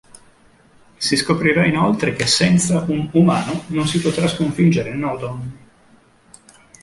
Si scoprirà inoltre che senza un "umano" non si potrà sconfiggere Nôd'onn.